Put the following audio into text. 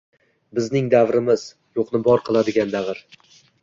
Bizning davrimiz — yo‘qni bor qiladigan davr